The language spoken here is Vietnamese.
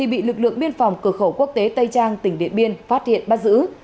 bị lực lượng biên phòng cửa khẩu quốc tế tây trang tỉnh điện biên phát hiện bắt giữ